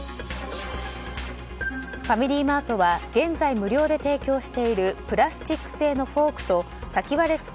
ファミリーマートは現在、無料で提供しているプラスチック製のフォークと先割れ